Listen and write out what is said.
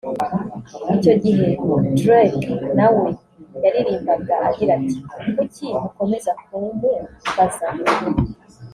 Icyo gihe Drake na we yaririmbaga agira ati “Kuki mukomeza kumumbazaho